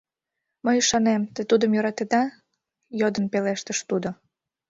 Мый ӱшанем, те тудым йӧратеда? — йодын пелештыш тудо.